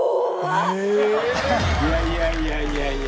いやいやいやいや。